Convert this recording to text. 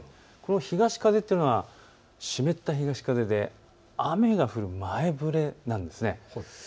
この東風というのは湿った東風で雨が降る前触れなんです。